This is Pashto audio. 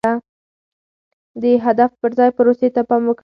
د هدف پر ځای پروسې ته پام وکړئ.